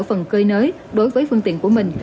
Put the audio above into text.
phần cơi nới đối với phương tiện của mình